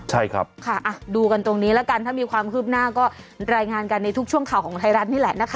ใช่ครับค่ะดูกันตรงนี้แล้วกันถ้ามีความคืบหน้าก็รายงานกันในทุกช่วงข่าวของไทยรัฐนี่แหละนะคะ